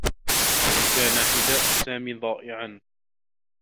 كان حذاء سامي ضائعا.